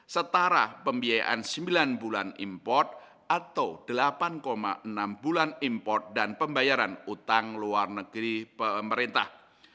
setara pembiayaan sembilan bulan import atau delapan enam bulan import dan pembayaran utang luar negeri pemerintah